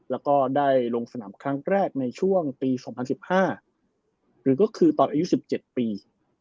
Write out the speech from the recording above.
แล้วก็ได้ลงสนามครั้งแรกในช่วงปี๒๐๑๕หรือก็คือตอนอายุ๑๗ปี